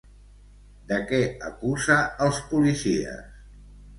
De què acusa els policies?